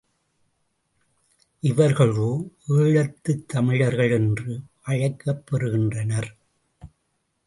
இவர்களே ஈழத்துத் தமிழர்கள் என்று அழைக்கப் பெறுகின்றனர்.